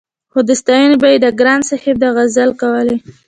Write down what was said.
خو ستاينې به يې د ګران صاحب د غزل کولې-